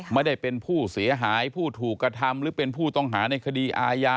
ไม่ได้เป็นผู้เสียหายผู้ถูกกระทำหรือเป็นผู้ต้องหาในคดีอาญา